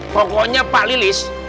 pokoknya pak lilis